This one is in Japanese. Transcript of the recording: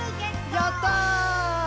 やった！